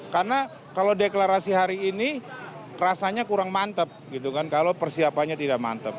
karena kalau deklarasi hari ini rasanya kurang mantep gitu kan kalau persiapannya tidak mantep